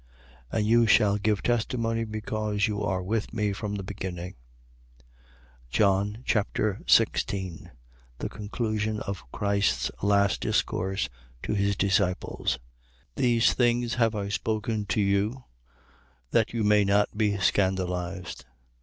And you shall give testimony, because you are with me from the beginning. John Chapter 16 The conclusion of Christ's last discourse to his disciples. 16:1. These things have I spoken to you things have I spoken to you that you may not be scandalized.